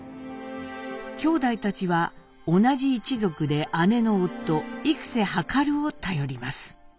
きょうだいたちは同じ一族で姉の夫幾瀬量を頼ります。